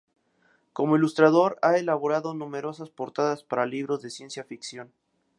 Como ilustrador ha elaborado numerosas portadas para libros de ciencia ficción.